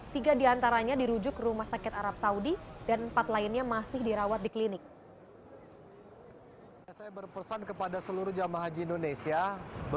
tiga diantaranya dirujuk ke rumah sakit arab saudi dan empat lainnya masih dirawat di klinik